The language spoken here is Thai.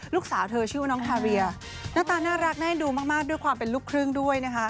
ลูกสาวเธอชื่อว่าน้องทาเรียหน้าตาน่ารักน่าเอ็นดูมากด้วยความเป็นลูกครึ่งด้วยนะคะ